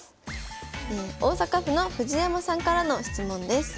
大阪府の藤山さんからの質問です。